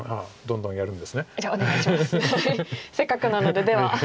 せっかくなのででは。